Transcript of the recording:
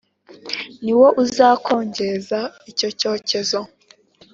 ni wo uzakongeza icyo cyocyezo.